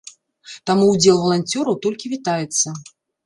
Таму ўдзел валанцёраў толькі вітаецца.